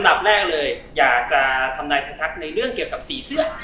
อันดับแรกเลยอย่าจะทำนายไทยทักในเรื่องเกี่ยวกับสีเสื้อ